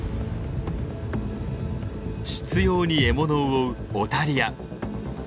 執ように獲物を追うオタリア。